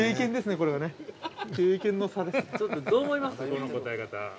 この答え方。